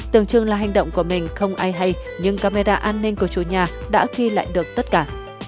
tưởng chừng là hành động của mình không ai hay nhưng camera an ninh của chủ nhà đã ghi lại được tất cả